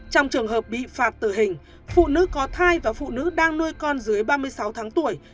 trong trường hợp bị phạt tử hình phụ nữ có thai và phụ nữ đang nuôi con dưới ba mươi sáu tháng tuổi